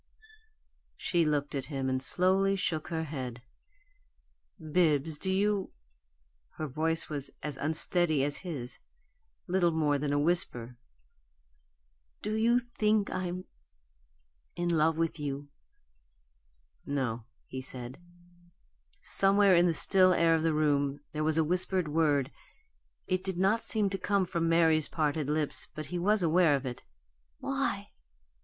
She looked at him, and slowly shook her head. "Bibbs, do you " Her voice was as unsteady as his little more than a whisper. "Do you think I'm in love with you?" "No," he said. Somewhere in the still air of the room there was a whispered word; it did not seem to come from Mary's parted lips, but he was aware of it. "Why?"